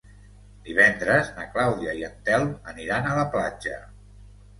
Divendres na Clàudia i en Telm aniran a la platja.